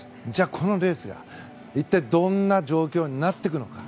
このレースが一体どんな状況になっていくのか。